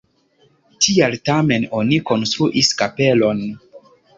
Tial tamen oni konstruis kapelon.